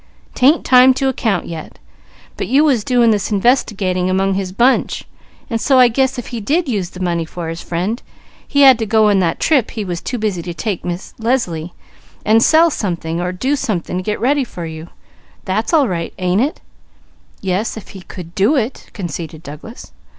'Tain't time to account yet; but you was doing this investigating among his bunch, and so I guess if he did use the money for his friend, he had to go on that trip he was too busy to take Miss Leslie, and sell something, or do something to get ready for you. That's all right, ain't it?" "Yes, if he could do it," conceded Douglas.